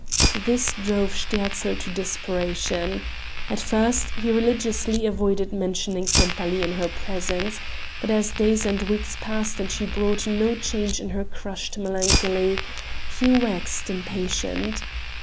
This drove Sterzl to desperation. At first he religiously avoided mentioning Sempaly in her presence, but as days and weeks passed and she brought no change in her crushed melancholy, he waxed impatient.